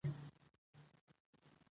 کلي د افغانستان د جغرافیایي موقیعت پایله ده.